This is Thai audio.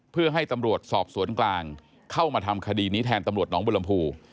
เพื่อให้ตำรวจสอบสวนกลางเข้ามาทำคดีนี้แทนตำรวจหนองบุรมภู